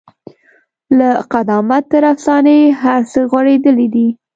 له قدامت تر افسانې هر څه غوړېدلي دي.